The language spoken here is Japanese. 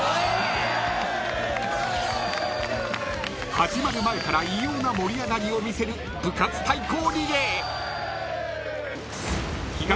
［始まる前から異様な盛り上がりを見せる部活対抗リレー］